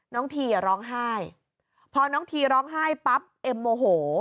ทีอ่ะร้องไห้พอน้องทีร้องไห้ปั๊บเอ็มโมโห